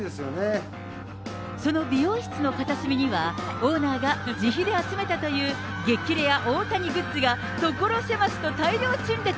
その美容室の片隅には、オーナーが自費で集めたという、激レア大谷グッズが、所狭しと大量陳列。